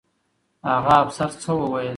هغه افسر څه وویل؟